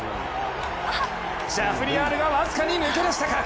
シャフリヤールが僅かに抜け出したか。